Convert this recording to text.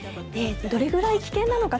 どれぐらい危険なのか。